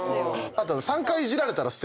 あと。